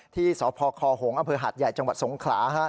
ที่สพคหงอภใหญ่จังหวัดสงขลา